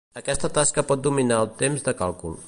Aquesta tasca pot dominar el temps de càlcul.